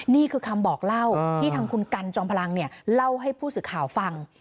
นี่คือคำบอกเล่าที่ทางคุณกันจอมพลังเล่าให้ผู้สื่อข่าวฟัง